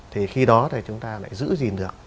thì khi đó thì chúng ta lại giữ gìn được